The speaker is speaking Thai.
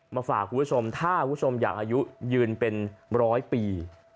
มาฝากคุณผู้ชมถ้าคุณผู้ชมอยากอายุยืนเป็นร้อยปี